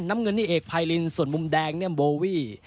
น้ำเงินนี่เอกพายลินส่วนมุมแดงเนี่ยโบวี่